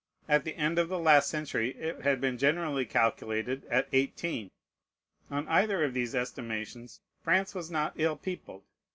At the end of the last century it had been generally calculated at eighteen. On either of these estimations, France was not ill peopled.